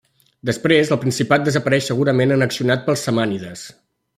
Després el principat desapareix segurament annexionat pels samànides.